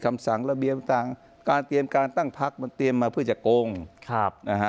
คำสั่งระเบียบต่างการเตรียมการตั้งพักมันเตรียมมาเพื่อจะโกงครับนะฮะ